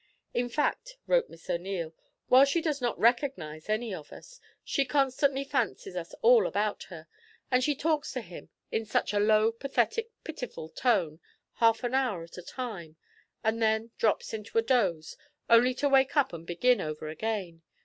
'In fact,' wrote Miss O'Neil, 'while she does not recognise any of us, she constantly fancies us all about her, and she talks to him in such a low, pathetic, pitiful tone, half an hour at a time, and then drops into a doze, only to wake up and begin over again.